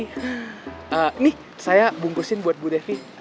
ini saya bungkusin buat bu devi